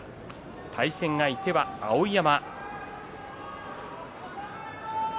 対戦相手は碧山。